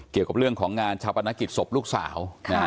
เกี่ยวกับเรื่องของงานชาปนกิจศพลูกสาว